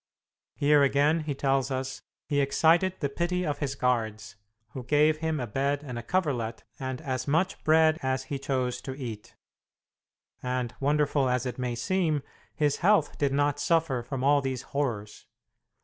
Here again, he tells us, he excited the pity of his guards, who gave him a bed and coverlet, and as much bread as he chose to eat; and, wonderful as it may seem, his health did not suffer from all these horrors.